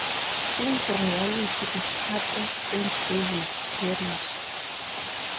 Prince Royalty is part of Saint David's Parish.